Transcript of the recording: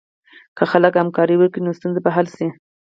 که خلک همکاري وکړي، نو ستونزه به حل شي.